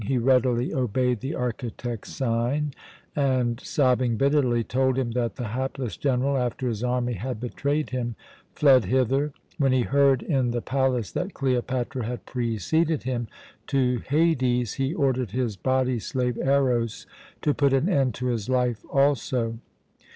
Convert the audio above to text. He readily obeyed the architect's sign and, sobbing bitterly, told him that the hapless general, after his army had betrayed him, fled hither. When he heard in the palace that Cleopatra had preceded him to Hades, he ordered his body slave Eros to put an end to his life also.